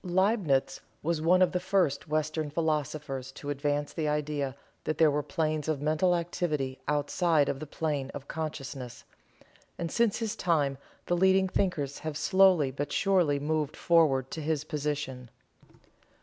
Liebnitz was one of the first Western philosophers to advance the idea that there were planes of mental activity outside of the plane of consciousness, and since his time the leading thinkers have slowly but surely moved forward to his position.